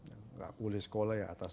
tidak boleh sekolah ya atas